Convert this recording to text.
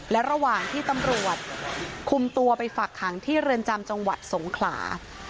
และระหว่างที่ตำรวจคุมตัวไปฝักขังที่เรือนจำจังหวัดสงขลา